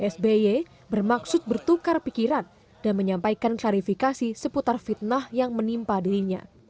sby bermaksud bertukar pikiran dan menyampaikan klarifikasi seputar fitnah yang menimpa dirinya